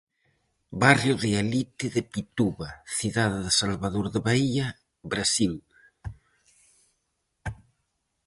Barrio de elite de Pituba, cidade de Salvador de Baía, Brasil.